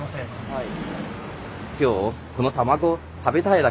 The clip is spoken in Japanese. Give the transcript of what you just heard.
はい。